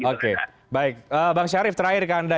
oke baik bang syarif terakhir ke anda